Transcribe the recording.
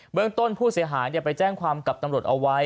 เมืองต้นผู้เสียหายไปแจ้งความกับตำรวจเอาไว้